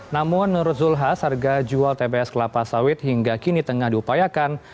namun menurut zulkifli hasan harga jual tbs kelapa sawit hingga kini tengah diupayakan